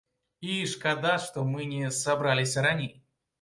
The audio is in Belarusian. І шкада, што мы не сабраліся раней.